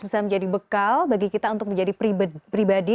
bisa menjadi bekal bagi kita untuk menjadi pribadi